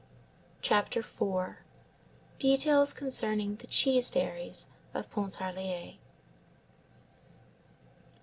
CHAPTER IV—DETAILS CONCERNING THE CHEESE DAIRIES OF PONTARLIER.